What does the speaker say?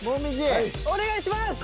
お願いします！